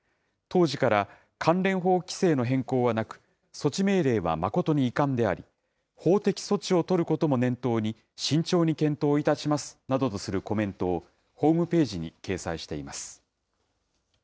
当時から関連法規制の変更はなく、措置命令は誠に遺憾であり、法的措置を取ることも念頭に慎重に検討いたしますなどとするコメントをホームページに掲載しています。